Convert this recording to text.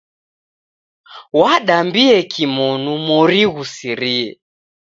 Wadambie kimonu mori ghusirie.